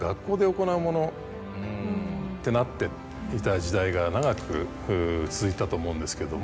ってなっていた時代が長く続いたと思うんですけども。